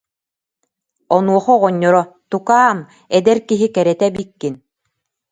Онуоха оҕонньоро: «Тукаам, эдэр киһи кэрэтэ эбиккин